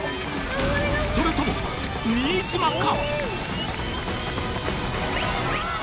それとも新島か？